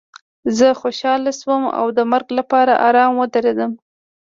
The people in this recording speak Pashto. زه خوشحاله شوم او د مرګ لپاره ارام ودرېدم